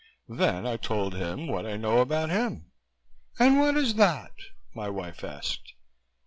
Then I told him what I know about him." "And what is that?" my wife asked.